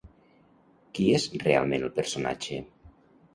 Qui és realment el personatge?